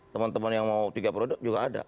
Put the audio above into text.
teman teman yang mau tiga produk juga ada